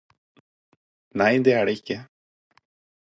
Nei, det er det ikke.